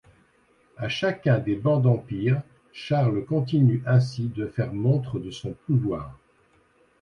À chacun des bans d'Empire, Charles continue ainsi de faire montre de son pouvoir.